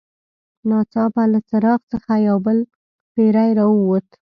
ناڅاپه له څراغ څخه یو بل پیری راووت.